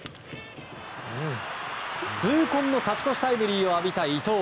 痛恨の勝ち越しタイムリーを浴びた伊藤。